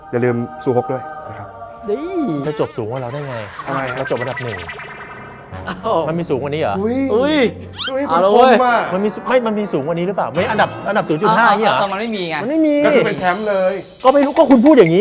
อย่าลืมสูบหกด้วย